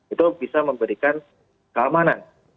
itu bisa memberikan keamanan